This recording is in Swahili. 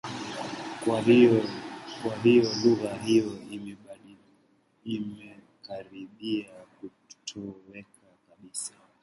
Kwa hiyo lugha hiyo imekaribia kutoweka kabisa.